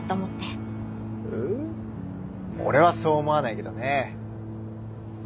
俺はそう思わないけどね。